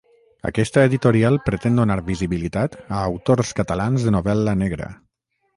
Aquesta editorial pretén donar visibilitat a autors catalans de novel·la negra.